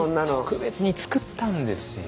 特別に作ったんですよ。